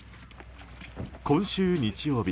今週日曜日